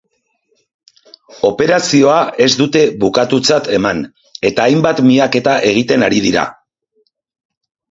Operazioa ez dute bukatutzat eman, eta hainbat miaketa egiten ari dira.